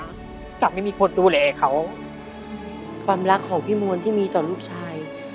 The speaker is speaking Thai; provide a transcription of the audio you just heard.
กลับไม่มีคนดูแลเขาความรักของพี่มวลที่มีต่อลูกชาย